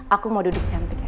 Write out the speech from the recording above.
aku mau duduk cantik ya